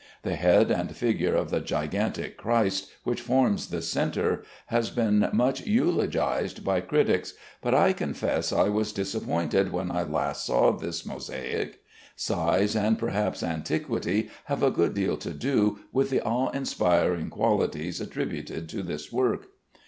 The head and figure of the gigantic Christ, which forms the centre, has been much eulogized by critics; but I confess I was disappointed when I last saw this mosaic. Size, and perhaps antiquity, have a good deal to do with the awe inspiring qualities attributed to this work.